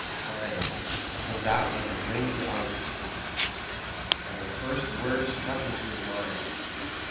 " Time, was that when the brains were out," he thought ; and the first word struck into his mind.